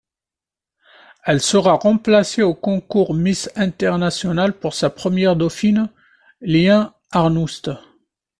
Elle sera remplacée au concours Miss International par sa première dauphine, Lien Aernouts.